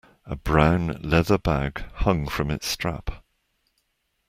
A brown leather bag hung from its strap.